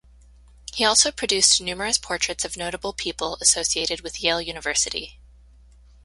He also produced numerous portraits of notable people associated with Yale University.